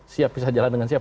siap bisa jalan dengan siapa